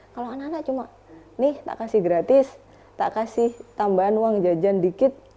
kalau anak anak cuma nih tak kasih gratis tak kasih tambahan uang jajan dikit